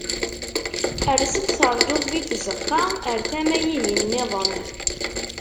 Ers-d, terǧuḍ di tzeqqa ar tama-ihin-nniḍen.